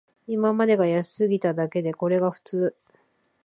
今までが安すぎただけで、これが普通